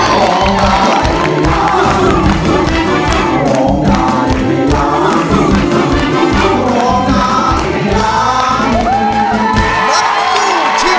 โปรดติดตามตอนต่อไป